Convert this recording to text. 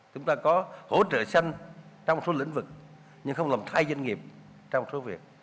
chúng ta có hỗ trợ xanh trong một số lĩnh vực nhưng không làm thay doanh nghiệp trong số việc